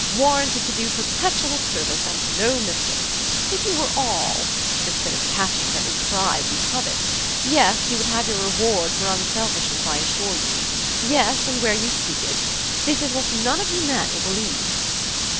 Warranted to do perpetual service, and no mischief. If you were all ... instead of catching at every prize you covet! Yes, you would have your reward for unselfishness, I assure you. Yes, and where you seek it! That is what none of you men will believe."